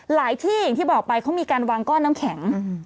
อย่างที่บอกไปเขามีการวางก้อนน้ำแข็ง